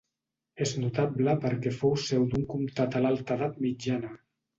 És notable perquè fou seu d'un comtat a l'alta edat mitjana.